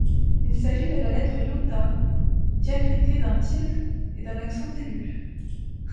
Il s’agit de la lettre iota diacritée d'un tilde et d’un accent aigu.